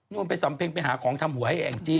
นู่นไปสำเพงไปหาของทำหวยไออ่างจี้